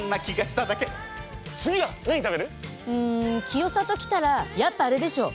清里来たらやっぱあれでしょ。